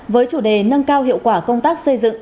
với chủ đề nâng cao hiệu quả công tác xây dựng